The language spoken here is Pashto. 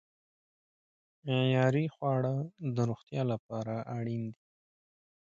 معیاري خواړه د روغتیا لپاره اړین دي.